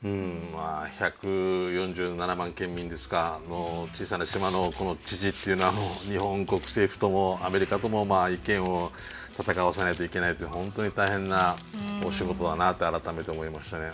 まあ１４７万県民ですかの小さな島の知事っていうのは日本国政府ともアメリカとも意見を闘わせないといけないという本当に大変なお仕事だなって改めて思いましたね。